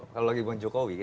kalau lagi bu jokowi gitu